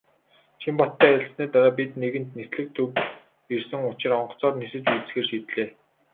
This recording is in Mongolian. Чинбаттай ярилцсаны дараа бид нэгэнт "Нислэг" төвд ирсэн учир онгоцоор нисэж үзэхээр шийдлээ.